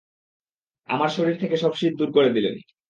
আমার শরীর থেকে সব শীত দূর করে দিলেন।